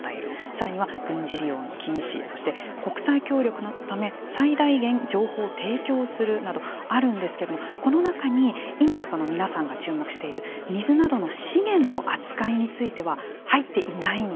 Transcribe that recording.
さらには軍事利用の禁止そして国際協力のため最大限情報提供するなどあるんですけどもこの中に今皆さんが注目している水などの資源の扱いについては入っていないんですよね。